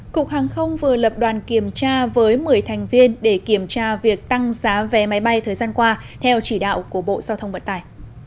cục hàng không vừa lập đoàn kiểm tra với một mươi thành viên để kiểm tra việc tăng giá vé máy bay thời gian qua theo chỉ đạo của bộ giao thông vận tải